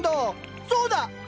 そうだ！